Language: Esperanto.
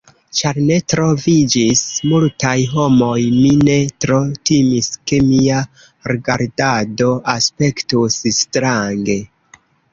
Ĉar ne troviĝis multaj homoj, mi ne tro timis ke mia rigardado aspektus strange.